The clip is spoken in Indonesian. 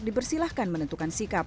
dibersilahkan menentukan sikap